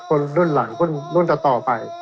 คนรุ่นหลังรุ่นต่อไป